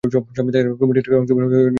ক্রোমাটিডের অংশের বিনিময় ঘটে কোন দশায়?